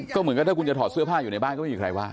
ก็เหมือนกันถ้าคุณจะถอดเสื้อผ้าอยู่ในบ้านก็ไม่มีใครว่า